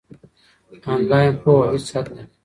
آنلاین پوهه هیڅ حد نلري.